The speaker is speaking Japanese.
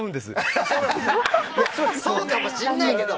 そうかもしれないけど。